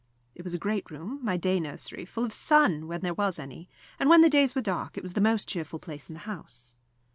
It was a great room, my day nursery, full of sun when there was any; and when the days were dark it was the most cheerful place in the house.